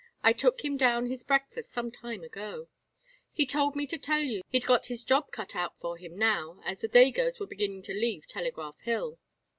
I took him down his breakfast some time ago. He told me to tell you that he'd 'got his job cut out for him now, as the Dagos were beginning to leave Telegraph Hill.'"